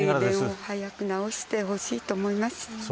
停電を早くなおしてほしいと思います。